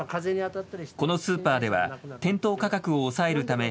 このスーパーでは店頭価格を抑えるため